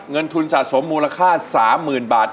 เงินทุนสะสมมูลค่า๓๐๐๐บาท